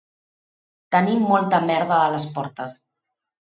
Tenir molta merda a les portes